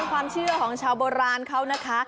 ความเชื่อของชาวโบราณเขานะคะ